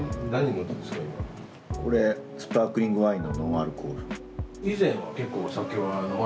これスパークリングワインのノンアルコール。